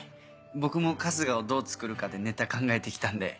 僕も春日をどうつくるかでネタ考えてきたんで。